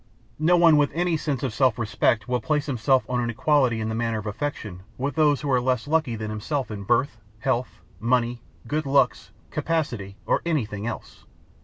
No one with any sense of self respect will place himself on an equality in the matter of affection with those who are less lucky than himself in birth, health, money, good looks, capacity, or anything else.